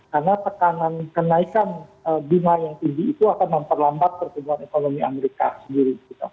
karena tekanan kenaikan bunga yang tinggi itu akan memperlambat pertumbuhan ekonomi amerika sendiri